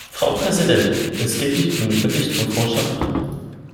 Frau Präsidentin! Es geht nicht um den Bericht von Frau Schaffner.